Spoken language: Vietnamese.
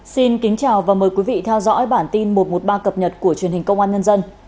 xin kính chào và mời quý vị theo dõi bản tin một trăm một mươi ba cập nhật của truyền hình công an nhân dân